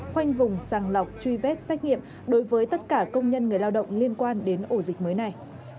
khoanh vùng sàng lọc truy vết xét nghiệm đối với tất cả công nhân người lao động liên quan đến ổ dịch mới này